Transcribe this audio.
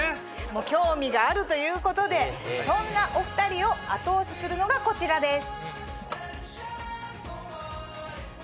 興味があるということでそんなお２人を後押しするのがこちらです。